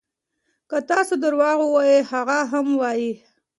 که تاسو درواغ ووایئ هغه هم وایي.